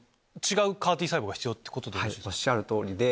おっしゃる通りで。